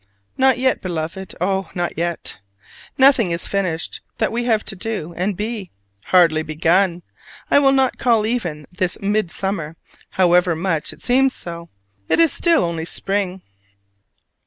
Not yet, Beloved, oh, not yet! Nothing is finished that we have to do and be: hardly begun! I will not call even this "midsummer," however much it seems so: it is still only spring.